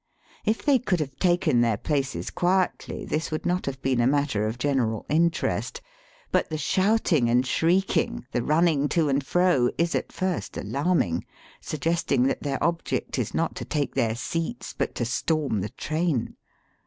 If they could have taken their places quietly this would not have been a matter of general interest; but the shout ing and shrieking, the running to and fro, is at first alarming, suggesting that their object is not to take their seats, but to storm the train.